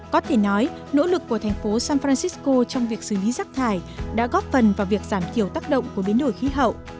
có thể nói nỗ lực của thành phố san francisco trong việc xử lý rác thải đã góp phần vào việc giảm thiểu tác động của biến đổi khí hậu